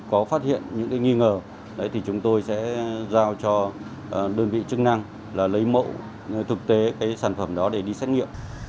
có phát hiện những nghi ngờ chúng tôi sẽ giao cho đơn vị chức năng lấy mẫu thực tế sản phẩm đó để đi xét nghiệm